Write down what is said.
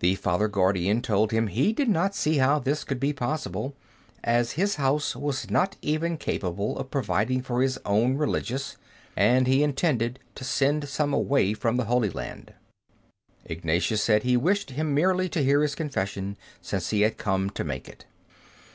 The Father Guardian told him he did not see how this could be possible, as his house was not even capable of providing for his own Religious, and he intended to send some away from the Holy Land. Ignatius said he wished him merely to hear his confession, since he had come to make it.